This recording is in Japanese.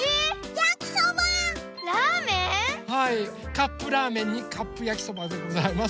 カップラーメンにカップやきそばでございます。